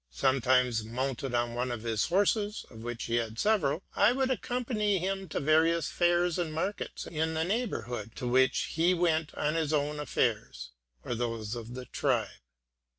Sometimes mounted on one of his horses, of which he had several, I would accompany him to various fairs and markets in the neighborhood, to which he went on his own affairs, or those of his tribe.